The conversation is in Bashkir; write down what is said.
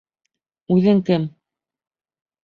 — Үҙең кем?